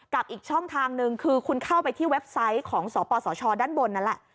อีกช่องทางหนึ่งคือคุณเข้าไปที่เว็บไซต์ของสปสชด้านบนนั่นแหละ